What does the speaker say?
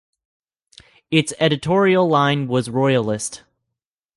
Its editorial line was royalist.